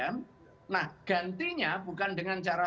nah gantinya bukan dengan cara